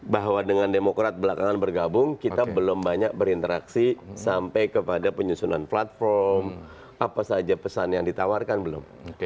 bahwa dengan demokrat belakangan bergabung kita belum banyak berinteraksi sampai kepada penyusunan platform apa saja pesan yang ditawarkan belum